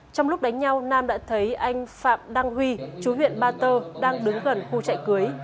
trong lúc đánh nhau nam đã thấy anh phạm đăng huy chú huyện ba tơ đang đứng gần khu chạy cưới